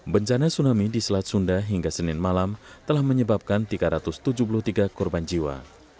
bencana tsunami di selat sunda hingga senin malam telah menyebabkan tiga ratus tujuh puluh tiga korban jiwa